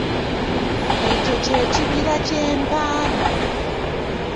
Ekyo ky’ekibira kye mpaana.